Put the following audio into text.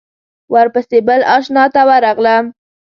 ورپسې بل آشنا ته ورغلم.